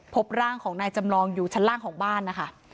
พบร่างของนายจำลองอยู่ชั้นล่างของบ้านนะคะ